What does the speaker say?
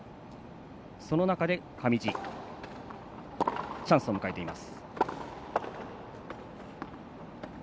その中で上地チャンスを迎えています。